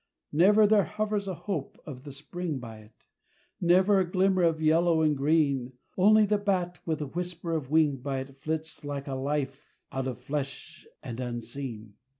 Never there hovers a hope of the Spring by it Never a glimmer of yellow and green: Only the bat with a whisper of wing by it Flits like a life out of flesh and unseen.